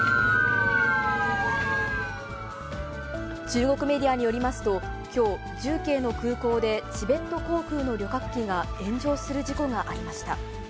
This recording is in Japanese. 中国メディアによりますと、きょう、重慶の空港でチベット航空の旅客機が炎上する事故がありました。